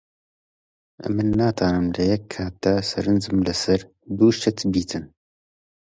من ناتوانم لە یەک کاتدا سەرنجم لەسەر دوو شت بێت.